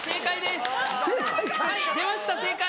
はい出ました正解！